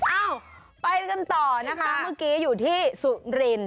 เอ้าไปกันต่อนะคะเมื่อกี้อยู่ที่สุริน